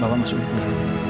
bapak masuk dulu ya